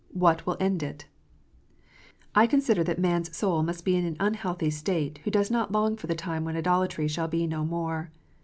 WHAT WILL END IT 1 I consider that man s soul must be in an unhealthy state who does not long for the time when idolatry shall be no more.